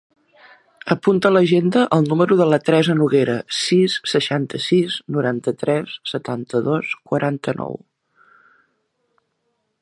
Apunta a l'agenda el número de la Teresa Noguera: sis, seixanta-sis, noranta-tres, setanta-dos, quaranta-nou.